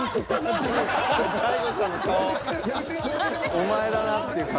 ［お前だなっていう顔］